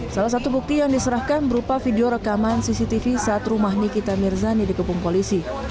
salah satu bukti yang diserahkan berupa video rekaman cctv saat rumah nikita mirzani dikepung polisi